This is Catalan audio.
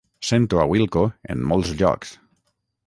Sento a Wilko en molts llocs.